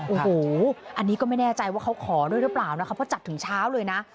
โอ้โหอันนี้ก็ไม่แน่ใจว่าเขาขอด้วยหรือเปล่านะคะเพราะจัดถึงเช้าเลยนะ